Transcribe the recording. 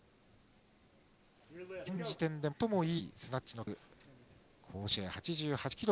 現時点で最もいいスナッチの記録。